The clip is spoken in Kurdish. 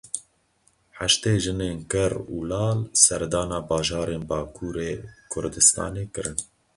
Heştê jinên ker û lal serdana bajarên Bakurê Kurdistanê kirin.